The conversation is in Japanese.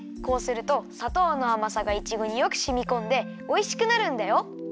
こうするとさとうのあまさがいちごによくしみこんでおいしくなるんだよ。